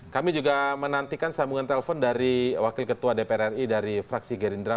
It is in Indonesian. kami juga menantikan sambungan telepon dari wakil ketua dpr ri dari fraksi gerindra